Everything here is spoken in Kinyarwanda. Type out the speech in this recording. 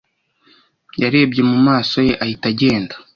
Yarebye mu maso ye ahita agenda.